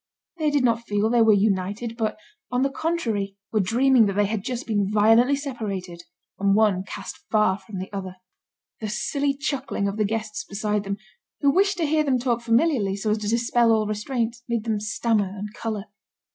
They did not feel they were united, but, on the contrary, were dreaming that they had just been violently separated, and one cast far from the other. The silly chuckling of the guests beside them, who wished to hear them talk familiarly, so as to dispel all restraint, made them stammer and colour.